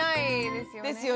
ですよね。